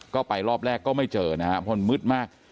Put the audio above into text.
ก็ไปรอบแรกก็ไม่เจอนะครับเพราะมันมืดมาก